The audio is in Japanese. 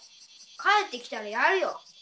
帰ってきたらやるよ。